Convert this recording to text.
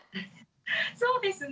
そうですね。